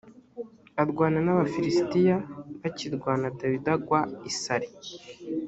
arwana n’abafilisitiya bakirwana dawidi agwa isari